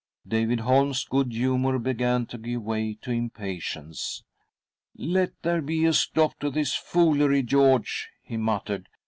" David Holm's good humour began to give way to impatience. " Let there be a stop to this foolery, George," he muttered.